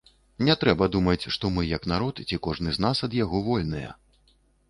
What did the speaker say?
Не трэба думаць, што мы як народ ці кожны з нас ад яго вольныя.